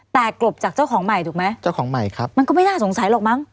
แต่กลบจากเจ้าของใหม่ถูกไหมเจ้าของใหม่ครับมันก็ไม่น่าสงสัยหรอกมั้ง